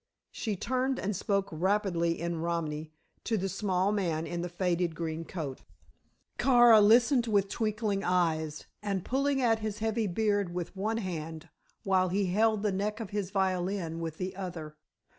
She turned and spoke rapidly in Romany to the small man in the faded green coat. Kara listened with twinkling eyes, and pulling at his heavy beard with one hand, while he held the neck of his violin with the other.